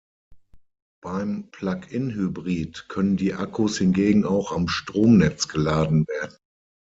Beim Plug-in-Hybrid können die Akkus hingegen auch am Stromnetz geladen werden.